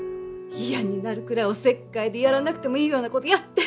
嫌になるくらいおせっかいでやらなくてもいいような事やって。